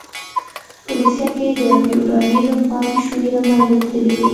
په روسیه کې د فیوډالېزم پاتې شوني له منځه تللې وې